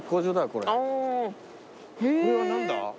これは何だ？